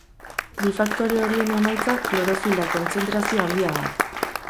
Bi faktore horien emaitza klorofila-kontzentrazio handia da.